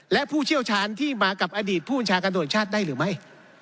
และผู้เชี่ยวชาญที่มากับอดีตผู้บัญชาการตรวจชาติได้หรือไม่